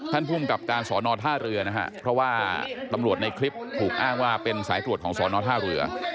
ภูมิกับการสอนอท่าเรือนะฮะเพราะว่าตำรวจในคลิปถูกอ้างว่าเป็นสายตรวจของสอนอท่าเรือ